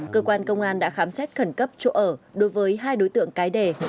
cơ quan công an đã khám xét khẩn cấp chỗ ở đối với hai đối tượng cái đề